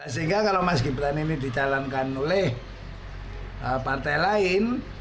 sehingga kalau mas gibran ini dicalonkan oleh partai lain